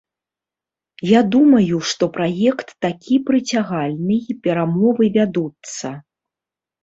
Я думаю, што праект такі прыцягальны і перамовы вядуцца.